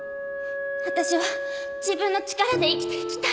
私は自分の力で生きていきたいの！